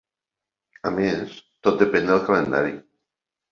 A més, tot depèn del calendari.